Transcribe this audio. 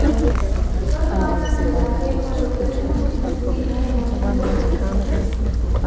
Sólo hablan de la fe cuando queremos sustituir la emoción por evidencias"".